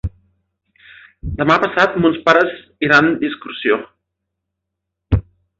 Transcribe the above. Demà passat mons pares iran d'excursió.